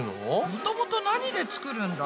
もともと何で作るんだ？